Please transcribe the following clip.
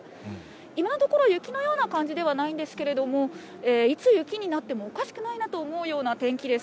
今のところ、雪のような感じではないんですけれども、いつ、雪になってもおかしくないなと思うような天気です。